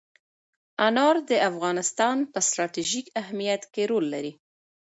انار د افغانستان په ستراتیژیک اهمیت کې رول لري.